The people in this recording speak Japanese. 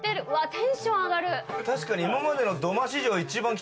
テンション上がる。